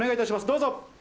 どうぞ。